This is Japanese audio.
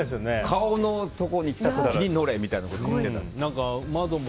顔のところに来たら乗れみたいなことを言ってたね。